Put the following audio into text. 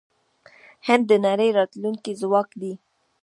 هند د نړۍ راتلونکی ځواک دی.